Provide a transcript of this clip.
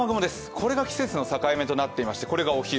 これが季節の境目となっていまして、これがお昼。